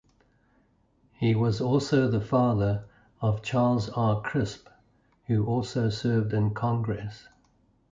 He was also the father of Charles R. Crisp who also served in Congress.